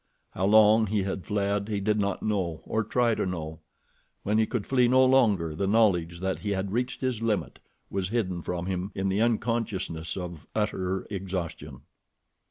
How long he had fled he did not know, or try to know. When he could flee no longer the knowledge that he had reached his limit was hidden from him in the unconsciousness of utter exhaustion.